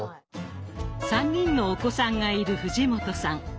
３人のお子さんがいる藤本さん。